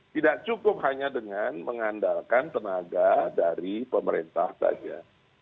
tidak cukup hanya dengan mengandalkan tenaga dari pemerintah saja